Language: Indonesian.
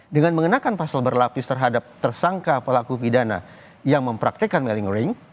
dengan mengenakan pasal berlapis terhadap tersangka pelaku pidana yang mempraktekan melingoring